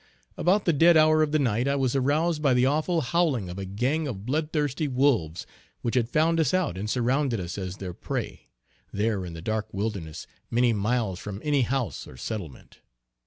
About the dead hour of the night I was aroused by the awful howling of a gang of blood thirsty wolves, which had found us out and surrounded us as their prey, there in the dark wilderness many miles from any house or settlement.